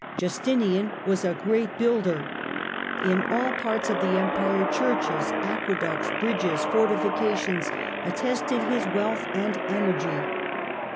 Justinian was a great builder. In all parts of the Empire churches, aqueducts, bridges, fortifi cations, attested his wealth and energy.